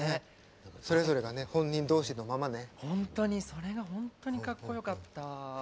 それが本当にかっこよかった。